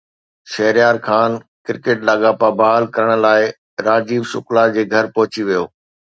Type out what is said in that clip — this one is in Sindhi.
شهريار خان ڪرڪيٽ لاڳاپا بحال ڪرڻ لاءِ راجيو شڪلا جي گهر پهچي ويو